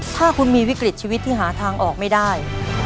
ถ้าคุณมีวิกฤตชีวิตที่หาทางออกไม่ได้